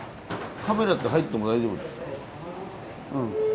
カメラって入っても大丈夫ですか？